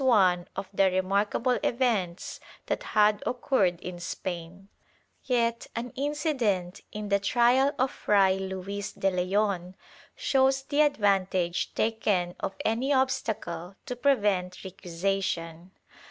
58 THE TRIAL [Book VI one of the remarkable events that had occurred in Spain/ Yet an incident in the trial of Fray Luis de Leon shows the advantage taken of any obstacle to prevent recusation.